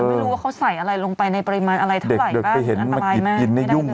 เราไม่รู้ว่าเขาใส่อะไรลงไปในปริมาณอะไรเท่าไหร่ก็อันตรายมากเด็กเด็กไปเห็นมันหยิบหยิบได้ยุ่งเลยนะ